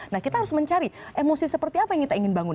nah kita harus mencari emosi seperti apa yang kita ingin bangun